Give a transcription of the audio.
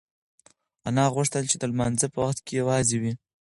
انا غوښتل چې د لمانځه په وخت کې یوازې وي.